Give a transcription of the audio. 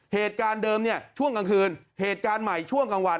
เหตุการณ์เดิมเนี่ยช่วงกลางคืนเหตุการณ์ใหม่ช่วงกลางวัน